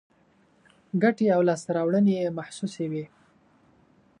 ګټې او لاسته راوړنې یې محسوسې وي.